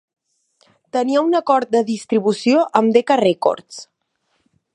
Tenia un acord de distribució amb Decca Records.